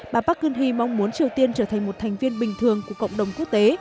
bà park geun hye mong muốn triều tiên trở thành một thành viên bình thường của cộng đồng quốc tế